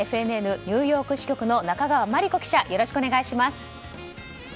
ＦＮＮニューヨーク支局の中川真理子記者よろしくお願いします。